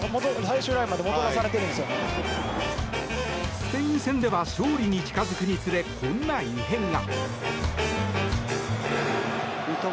スペイン戦では勝利に近づくにつれ、こんな異変が。